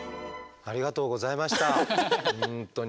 ありがとうございました本当に。